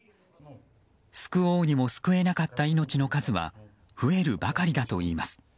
救おうにも救えなかった命の数は増えるばかりだといいます。